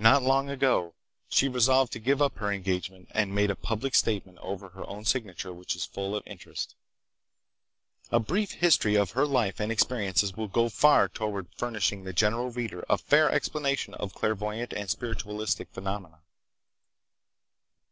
Not long ago she resolved to give up her engagement, and made a public statement over her own signature which is full of interest. A brief history of her life and experiences will go far toward furnishing the general reader a fair explanation of clairvoyant and spiritualistic phenomena.